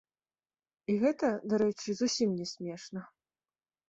І гэта, дарэчы, зусім не смешна.